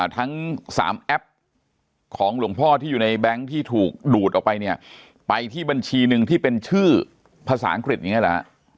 ทั้ง๓แอปของหลวงพ่อที่อยู่ในแบงค์ที่ถูกดูดออกไปเนี่ยไปที่บัญชีหนึ่งที่เป็นชื่อภาษาอังกฤษอย่างนี้แหละฮะ